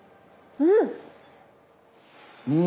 うん！